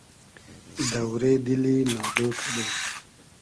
دۆرې دیلی نادۉ کئدوم